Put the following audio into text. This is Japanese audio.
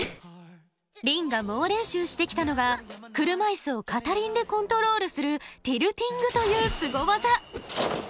凛が猛練習してきたのが車いすを片輪でコントロールするティルティングというスゴ技。